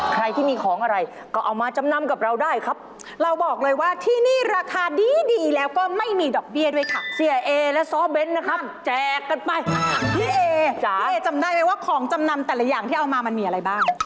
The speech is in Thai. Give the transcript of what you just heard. พี่เอ๋จำได้ไหมว่าของจำนำแต่ละอย่างที่เอามามันมีอะไรบ้าง